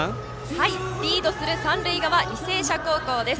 リードする三塁側履正社高校です。